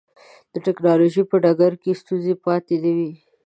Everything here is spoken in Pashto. د ټکنالوجۍ په ډګر کې ستونزه پاتې نه وي.